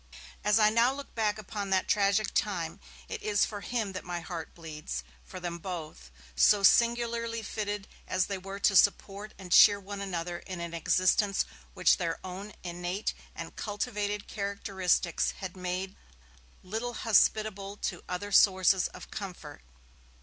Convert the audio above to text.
As I now look back upon that tragic time, it is for him that my heart bleeds, for them both, so singularly fitted as they were to support and cheer one another in an existence which their own innate and cultivated characteristics had made little hospitable to other sources of comfort.